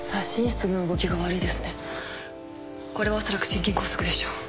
これはおそらく心筋梗塞でしょう。